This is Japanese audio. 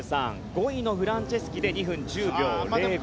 ５位のフランチェスキで２分１０秒０５。